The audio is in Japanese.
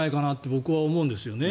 僕は思うんですよね。